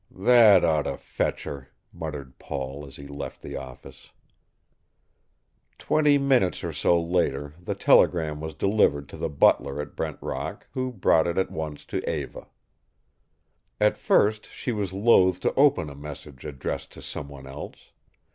"That ought to fetch her!" muttered Paul, as he left the office. Twenty minutes or so later the telegram was delivered to the butler at Brent Rock, who brought it at once to Eva. At first she was loath to open a message addressed to some one else.